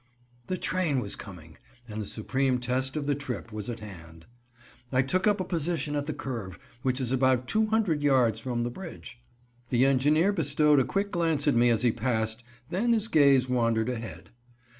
The train was coming! And the supreme test of the trip was at hand. I took up a position at the curve, which is about two hundred yards from the bridge. The engineer bestowed a quick glance at me as he passed, then his gaze wandered ahead.